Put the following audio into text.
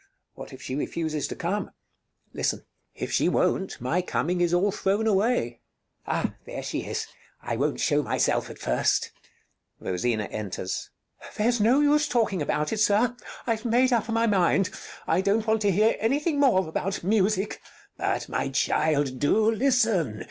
What if she refuses to come? Listen If she won't, my coming is all thrown away. There she is: I won't show myself at first. [Rosina enters.] Rosina [angrily] There's no use talking about it, sir. I've made up my mind. I don't want to hear anything more about music. Bartolo But, my child, do listen!